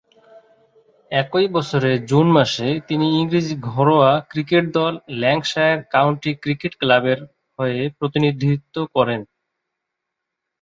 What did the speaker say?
একই বছরে জুন মাসে তিনি ইংরেজি ঘরোয়া ক্রিকেট দল "ল্যাঙ্কাশায়ার কাউন্টি ক্রিকেট ক্লাব" এর হয়ে প্রতিনিধিত্ব করেন।